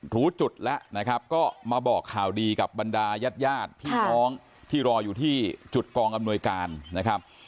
รู้จุดแล้วนะครับก็มาบอกข่าวดีกับบรรดายาดพี่น้องที่รออยู่ที่จุดกองอำนวยการนะครับ